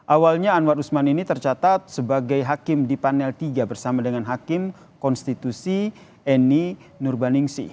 awalnya anwar usman ini tercatat sebagai hakim di panel tiga bersama dengan hakim konstitusi eni nurbaningsi